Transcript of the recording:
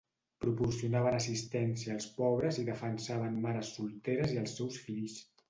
Proporcionaven assistència als pobres i defensaven mares solteres i els seus fills.